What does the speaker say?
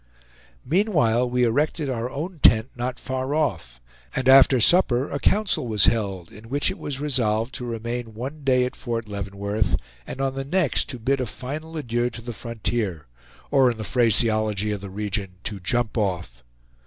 Meanwhile we erected our own tent not far off, and after supper a council was held, in which it was resolved to remain one day at Fort Leavenworth, and on the next to bid a final adieu to the frontier: or in the phraseology of the region, to "jump off."